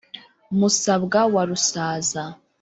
musabwa wa rusaza